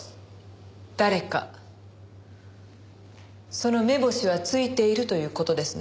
その目星はついているという事ですね？